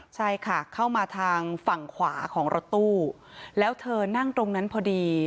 ใช่ค่ะเข้ามาทางฝั่งขวาของรถตู้แล้วเธอนั่งตรงนั้นพอดี